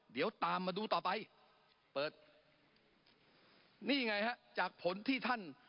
เดี๋ยวตามมาดูต่อไปเปิดนี่ไงฮะจากผลที่ท่าน